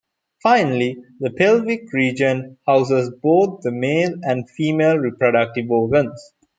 Finally, the pelvic region houses both the male and female reproductive organs.